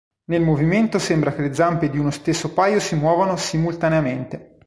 Nel movimento sembra che le zampe di uno stesso paio si muovano simultaneamente.